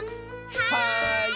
はい！